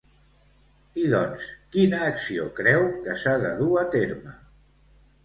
I doncs, quina acció creu que s'ha de dur a terme?